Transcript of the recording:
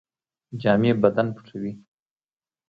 جامې بدن پټوي